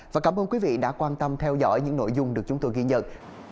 và cảm ơn quý vị đã quan tâm theo dõi những nội dung được chúng tôi ghi nhận